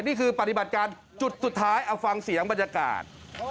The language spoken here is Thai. นี่คือปฏิบัติการจุดสุดท้ายเอาฟังเสียงบรรยากาศ